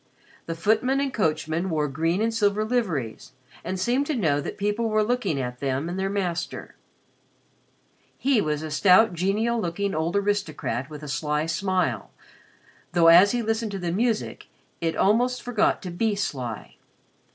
The footman and coachman wore green and silver liveries and seemed to know that people were looking at them and their master. He was a stout, genial looking old aristocrat with a sly smile, though, as he listened to the music, it almost forgot to be sly.